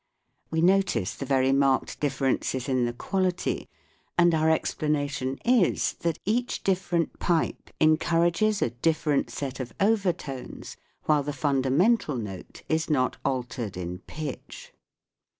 We notice the very marked differences in the quality ; and our explanation is that each different pipe encourages a different set of overtones, while the fundamental note is not altered in pitch.